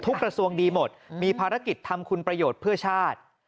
กระทรวงดีหมดมีภารกิจทำคุณประโยชน์เพื่อชาติ